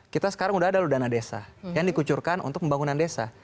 kita sekarang udah ada loh dana desa yang dikucurkan untuk pembangunan desa